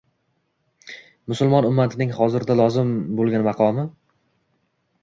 Musulmon ummatining hozirda lozim bo‘lgan maqomi